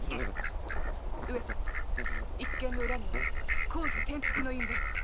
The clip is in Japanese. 一件のウラには公儀転覆の陰謀が。